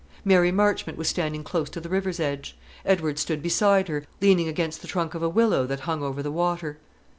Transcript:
Mary Marchmont was standing close to the river's edge; Edward stood beside her, leaning against the trunk of a willow that hung over the water.